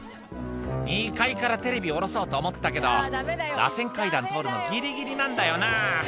「２階からテレビ下ろそうと思ったけどらせん階段通るのギリギリなんだよな」